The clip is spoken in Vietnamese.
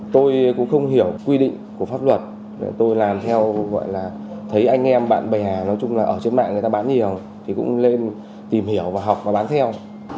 tôi cũng không hiểu quy định của pháp luật tôi làm theo gọi là thấy anh em bạn bè nói chung là ở trên mạng người ta bán nhiều thì cũng lên tìm hiểu và học và bán theo